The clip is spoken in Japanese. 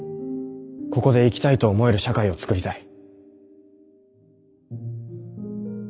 ここで生きたいと思える社会を創りたい。